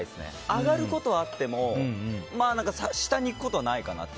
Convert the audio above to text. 上がることはあっても下にいくことはないかなって。